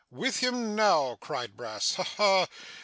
'With him now!' cried Brass; 'Ha ha!